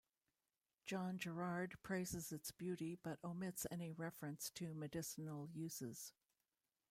John Gerard praises its beauty but omits any reference to medicinal uses.